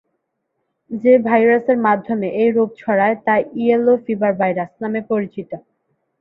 যে ভাইরাসের মাধ্যমে এই রোগ ছড়ায় তা "ইয়েলো ফিভার ভাইরাস" নামে পরিচিত।